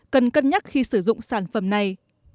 cần cân nhắc khi sử dụng sản phẩm này